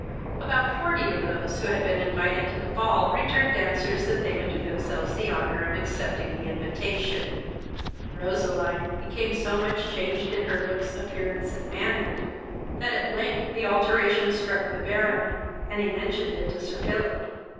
About forty of those who had been invited to the ball returned answers that they would do themselves the honour of accepting the invitation. Roseline became so much changed in her looks, appearance, and manner, that at length the alteration struck the Baron, and he mentioned it to Sir Philip.